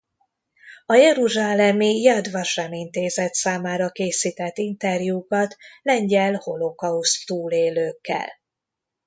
A jeruzsálemi Jad Vasem Intézet számára készített interjúkat lengyel holokauszt-túlélőkkel.